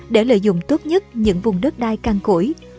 để lợi dụng tốt nhất những vùng đất đai căng củi